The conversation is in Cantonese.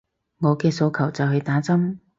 我嘅訴求就係打針